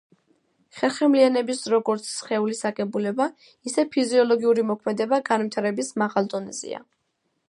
ხერხემლიანების როგორც სხეულის აგებულება, ისე ფიზიოლოგიური მოქმედება განვითარების მაღალ დონეზეა.